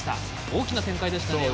大きな展開でしたね。